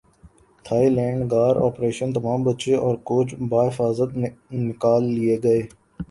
Thai land غار operation تمام بچے اور کوچ بحفاظت نکال لئے گئے